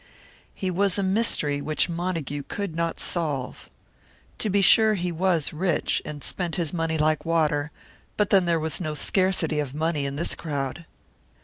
He was a mystery which Montague could not solve. To be sure he was rich, and spent his money like water; but then there was no scarcity of money in this crowd.